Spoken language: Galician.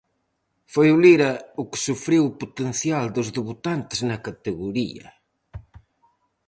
Foi o Lira o que sufriu o potencial dos debutantes na categoría.